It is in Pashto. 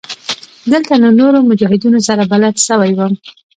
دلته له نورو مجاهدينو سره بلد سوى وم.